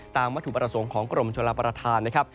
วัตถุประสงค์ของกรมชลประธานนะครับ